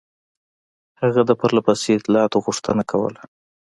هغه د پرله پسې اطلاعاتو غوښتنه کوله.